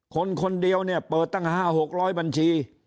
คนคนเดียวเนี่ยเปิดตั้ง๕๖๐๐บัญชี